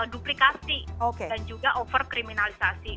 duplikasi dan juga overkriminalisasi